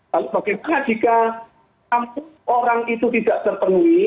lalu bagaimana jika kampus orang itu tidak terpenuhi